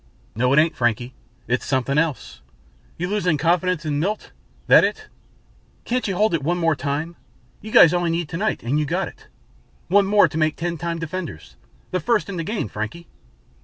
"No it ain't, Frankie. It's something else. You losin' confidence in Milt? That it? Can't you hold it one more time? You guys only need tonite and you got it. One more to make Ten Time Defenders the first in the game, Frankie."